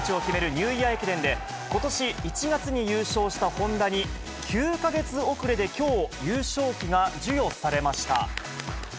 ニューイヤー駅伝で、ことし１月に優勝したホンダに９か月遅れできょう、優勝旗が授与されました。